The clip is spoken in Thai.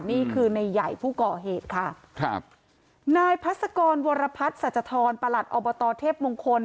นี่คือในใหญ่ผู้ก่อเหตุค่ะครับนายพัศกรวรพัฒน์สัจธรประหลัดอบตเทพมงคล